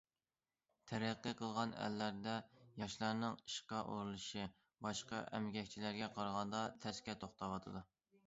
تەرەققىي قىلغان ئەللەردە ياشلارنىڭ ئىشقا ئورۇنلىشىشى باشقا ئەمگەكچىلەرگە قارىغاندا تەسكە توختاۋاتىدۇ.